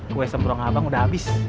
kue sembrong abang udah habis